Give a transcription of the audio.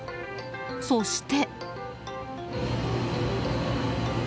そして。